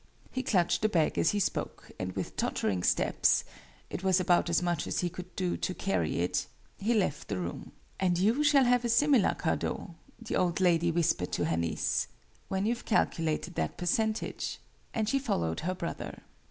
He clutched the bag as he spoke, and with tottering steps (it was about as much as he could do to carry it) he left the room. "And you shall have a similar cadeau," the old lady whispered to her niece, "when you've calculated that percentage!" And she followed her brother.